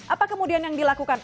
apa kemudian yang dilakukan